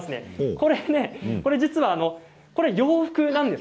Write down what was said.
実は、洋服なんです。